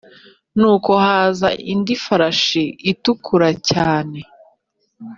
Nuko haza indi farashi itukura cyane,